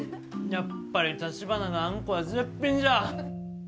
やっぱりたちばなのあんこは絶品じゃあ。